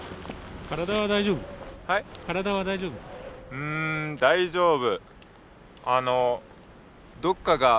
うん「大丈夫」。